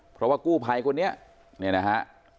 เพราะว่ากู้ภัยคนนี้เนี่ยนะฮะ